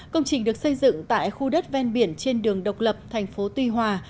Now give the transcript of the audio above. công trình được xây dựng tại khu đất ven biển trên đường độc lập tp tuy hòa